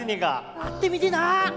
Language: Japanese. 会ってみてえな！